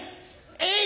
えい！